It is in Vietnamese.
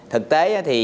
thực tế thì